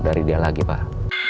dari dia lagi pak